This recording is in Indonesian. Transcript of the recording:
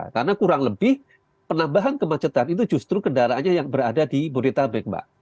karena kurang lebih penambahan kemacetan itu justru kendaraannya yang berada di bonita bek mbak